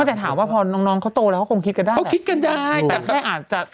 แต่ถามว่าพอน้องน้องเขาโตแล้วเขาคงคิดกันได้เขาคิดกันได้แต่แค่อาจจะ